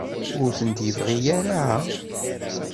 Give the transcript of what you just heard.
Ur tent-yebɣi ara?